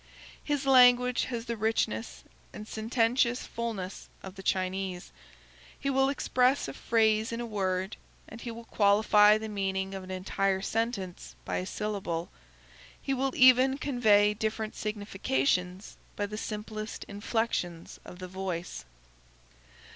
His language has the richness and sententious fullness of the Chinese. He will express a phrase in a word, and he will qualify the meaning of an entire sentence by a syllable; he will even convey different significations by the simplest inflections of the voice.